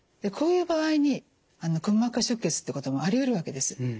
こういう場合にくも膜下出血ってこともありうるわけです。